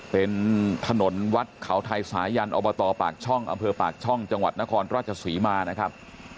เป็นถนนวัดขาวไทยสายยันต์อปากช่องอปากช่องจนครราชสุริมานะครับ